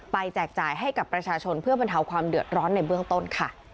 แจกจ่ายให้กับประชาชนเพื่อบรรเทาความเดือดร้อนในเบื้องต้นค่ะ